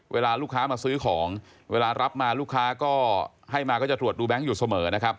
เวลาลูกค้ามาซื้อของเวลารับมาลูกค้าก็ให้มาก็จะตรวจดูแบงค์อยู่เสมอนะครับ